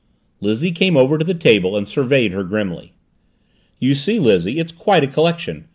Lizzie came over to the table and surveyed her grimly. "You see, Lizzie, it's quite a collection.